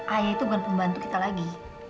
ayah itu bukan pembantu kita lagi